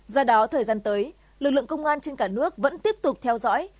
do đó thời gian tới lực lượng công an trên cả nước vẫn tiếp tục theo dõi